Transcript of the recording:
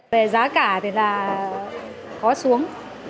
về giá cả thì là khó xuống